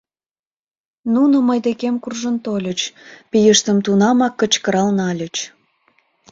Нуно мый декем куржын тольыч, пийыштым тунамак кычкырал нальыч